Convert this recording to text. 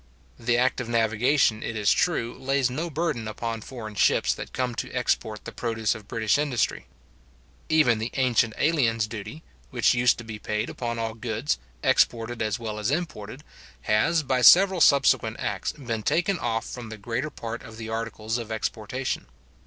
The act of navigation, it is true, lays no burden upon foreign ships that come to export the produce of British industry. Even the ancient aliens duty, which used to be paid upon all goods, exported as well as imported, has, by several subsequent acts, been taken off from the greater part of the articles of exportation.